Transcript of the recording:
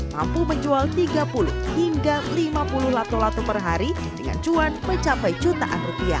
mampu menjual tiga puluh hingga lima puluh lato lato per hari dengan cuan mencapai jutaan rupiah